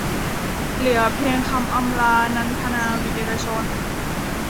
เหลือเพียงคำอำลา - นันทนา วีระชน